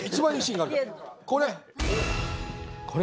これ。